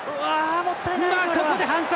ここで反則！